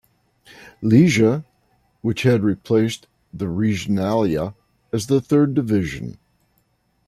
Liga, which had replaced the Regionalliga as the third division.